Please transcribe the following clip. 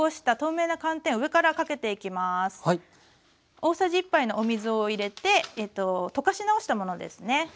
大さじ１杯のお水を入れて溶かし直したものですね。